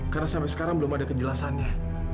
karena sampai sekarang belum ada kejelasannya